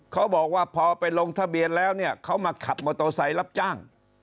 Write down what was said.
เขาบอกว่าพอไปลงทะเบียนแล้วเขามาขับมอโตไสรับจ้าง